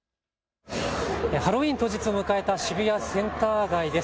ハロウィーン当日を迎えた渋谷のセンター街です。